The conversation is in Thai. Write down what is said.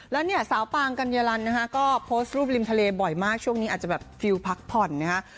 แล้วเนี่ยสาวปางกัญญาลันนะฮะก็โพสต์รูปริมทะเลบ่อยมากช่วงนี้อาจจะแบบฟิลพักผ่อนนะฮะ